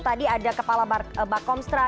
tadi ada kepala bakomstra